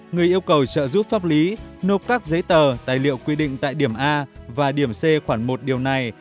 người yêu cầu trợ giúp pháp lý nộp các giấy tờ tài liệu quy định tại điểm a và điểm c khoảng một điều này